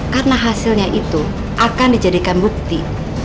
karena hasilnya itu akan dijadikan bukti